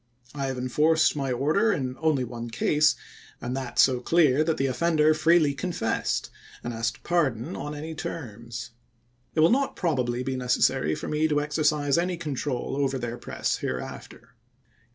.. I have enforced my order in only one case, and that so clear that the offender freely confessed and asked pardon on any terms. It will not probably be necessary for me to exer cise any control over their press hereafter.